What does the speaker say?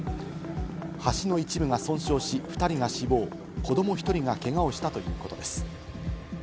橋の一部が損傷し２人が死亡、子ども１人がけがをしたということです。